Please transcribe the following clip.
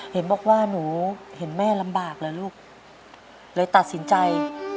เห็นบอกว่าหนูเห็นแม่ลำบากเหรอลูกเลยตัดสินใจ